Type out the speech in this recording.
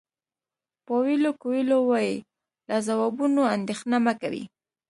پاویلو کویلو وایي له ځوابونو اندېښنه مه کوئ.